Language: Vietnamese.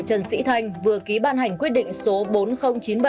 trần sĩ thanh vừa ký ban hành quyết định số bốn nghìn chín mươi bảy